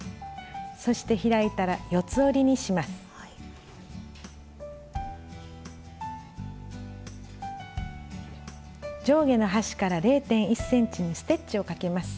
そして開いたら上下の端から０．１ｃｍにステッチをかけます。